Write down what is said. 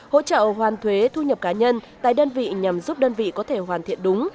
hỗ trợ hoàn thuế thu nhập cá nhân tài đơn vị nhằm giúp đơn vị có thể hoàn thiện đúng